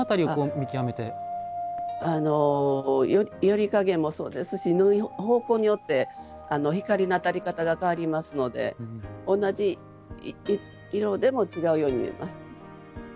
撚り加減もそうですし縫う方向によって光の当たり方が変わりますので同じ色でも違うように見えます。